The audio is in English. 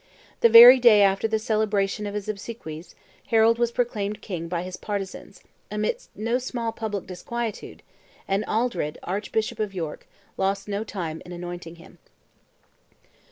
The very day after the celebration of his obsequies, Harold was proclaimed king by his partisans, amidst no small public disquietude, and Aldred, archbishop of York, lost no time in anointing him.